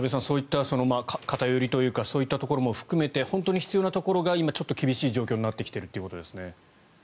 そういった偏りというかそういったところも含めて本当に必要なところが今、ちょっと厳しい状況になってきているということです。